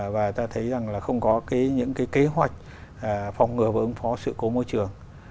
và ta thấy rằng là không có những cái kế hoạch phòng ngừa và ứng phó sự cố môi trường